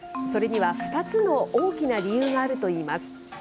それには２つの大きな理由があるといいます。